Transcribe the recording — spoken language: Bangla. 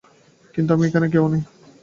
কিন্তু আমি এখানের কেউ নই।